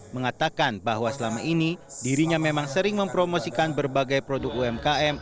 mengatakan bahwa selama ini dirinya memang sering mempromosikan berbagai produk umkm